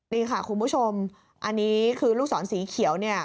นี่ค่ะคุณผู้ชมอันนี้คือลูกศรสีเขียวเนี่ย